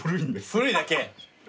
古いだけ。